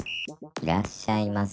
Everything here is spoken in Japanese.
いらっしゃいませ！